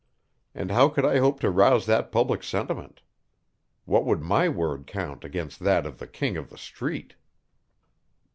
And how could I hope to rouse that public sentiment? What would my word count against that of the King of the Street?